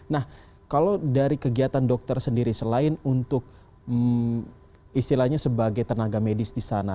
nah kalau dari kegiatan dokter sendiri selain untuk istilahnya sebagai tenaga medis di sana